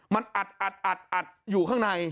มันอัดอยู่ข้างใน